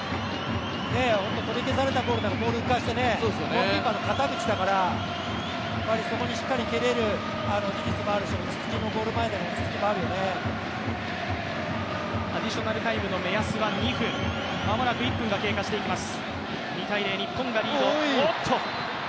取り消されたボールからボールを浮かしてね、ゴールキーパーの肩口だからそこにしっかり蹴れる技術もあるし、アディショナルタイムの目安は２分、間もなく１分が経過していきます。